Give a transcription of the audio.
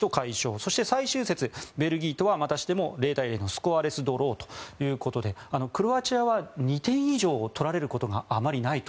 そして最終節、ベルギーとはまたしても０対０のスコアレスドローということでクロアチアは２点以上を取られることがあまりないと。